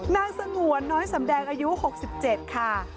นางสงวนน้อยสำแดงอายุ๖๗ค่ะ